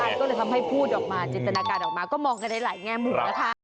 มันก็เลยทำให้พูดออกมาจินตนาการออกมาก็มองกันได้หลายแง่มุมนะคะ